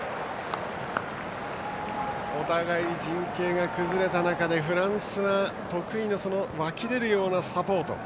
お互い、陣形が崩れた中でフランスは得意の湧き出るようなサポート。